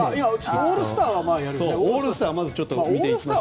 オールスターはやるよね。